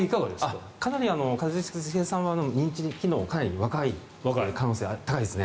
一茂さんは認知機能かなり若い可能性が高いです。